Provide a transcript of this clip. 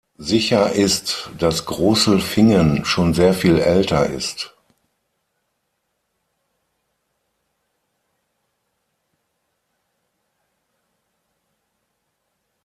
Sicher ist, dass Grosselfingen schon sehr viel älter ist.